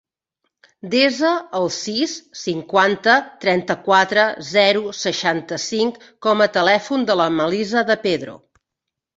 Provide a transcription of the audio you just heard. Desa el sis, cinquanta, trenta-quatre, zero, seixanta-cinc com a telèfon de la Melissa De Pedro.